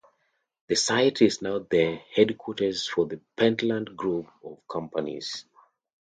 The site is now the headquarters of the Pentland Group of companies.